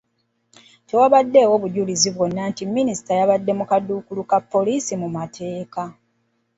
Tewaabaddewo bujulizi bwonna nti minisita yabadde mu kaduukulu ka poliisi mu mateeka.